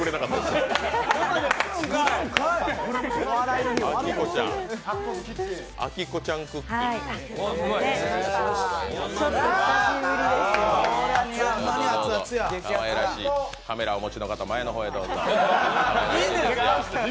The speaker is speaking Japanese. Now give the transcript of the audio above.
どうぞどうぞ、かわいらしい、カメラをお持ちの方、前へどうぞ。